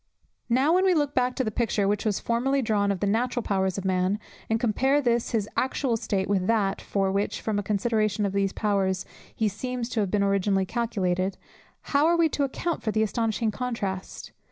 Now when we look back to the picture which was formerly drawn of the natural powers of man, and compare this his actual state with that for which, from a consideration of those powers, he seems to have been originally calculated, how are we to account for the astonishing contrast!